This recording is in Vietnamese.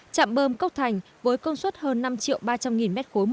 chạm bơm cốc thành với công suất hơn năm triệu ba trăm linh nghìn m ba một ngày